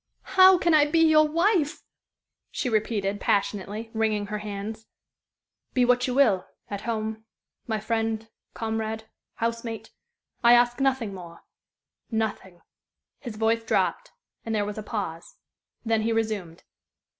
"How can I be your wife?" she repeated, passionately, wringing her hands. "Be what you will at home. My friend, comrade, housemate. I ask nothing more nothing." His voice dropped, and there was a pause. Then he resumed.